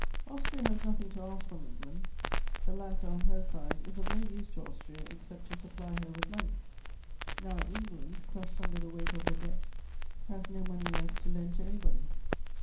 "Austria has nothing to ask from England; the latter, on her side, is of no use to Austria except to supply her with money. Now, England, crushed under the weight of her debt, has no money left to lend to anybody.